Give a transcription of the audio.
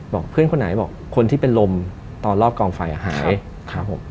บอกเพื่อนคนไหนบอกคนที่เป็นลมตอนรอบกองไฟอ่ะหายครับผม